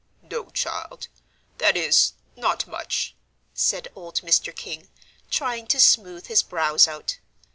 "No, child that is, not much," said old Mr. King, trying to smooth his brows out.